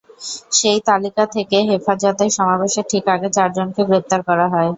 সেই তালিকা থেকে হেফাজতের সমাবেশের ঠিক আগে চারজনকে গ্রেপ্তার করা হয়।